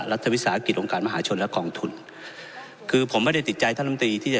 รัฐวิสาหกิจองค์การมหาชนและกองทุนคือผมไม่ได้ติดใจท่านลำตีที่จะ